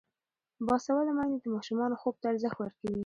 باسواده میندې د ماشومانو خوب ته ارزښت ورکوي.